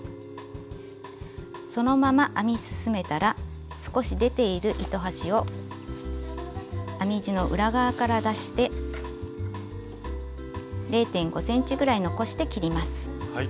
そのまま編み進めたら少し出ている糸端を編み地の裏側から出して０．５ｃｍぐらい残して切ります。